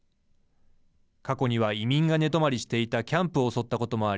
過去には移民が寝泊まりしていたキャンプを襲ったこともあり